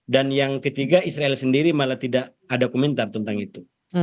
dan yang ketiga israel sendiri malah tidak ada komentar tentang itu